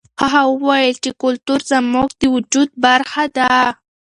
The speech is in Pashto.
هغه وویل چې کلتور زموږ د وجود برخه ده.